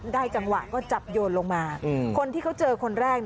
จังหวะก็จับโยนลงมาคนที่เขาเจอคนแรก